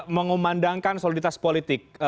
mengumandangkan soliditas politik